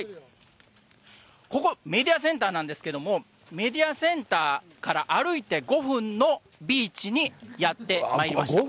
ここ、メディアセンターなんですけども、メディアセンターから歩いて５分のビーチにやってまいりました。